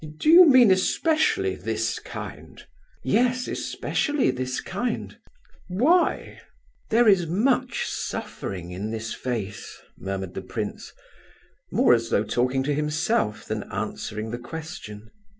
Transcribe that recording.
"Do you mean especially this kind?" "Yes, especially this kind." "Why?" "There is much suffering in this face," murmured the prince, more as though talking to himself than answering the question.